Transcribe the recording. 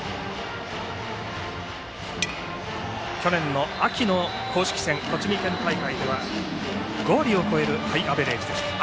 去年の秋の公式戦栃木県大会では５割を超えるハイアベレージ。